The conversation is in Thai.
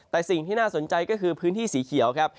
แต่สิ่งที่น่าสนใจก็คือพื้นที่สีเขียวครับ